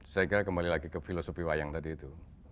saya kira kembali lagi ke filosofi wayang tadi itu